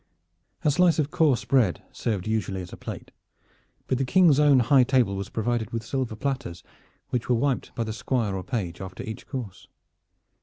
A slice of coarse bread served usually as a plate, but the King's own high table was provided with silver platters, which were wiped by the Squire or page after each course.